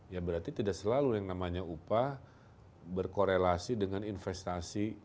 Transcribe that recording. ya berarti tidak selalu yang namanya upah berkorelasi dengan investasi